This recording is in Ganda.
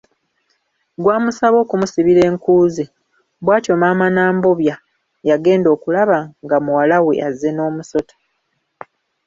Gwamusaba okumusibira enku ze, bwatyo Maama Nambobya yagenda okulaba nga muwala we azze n’omusota.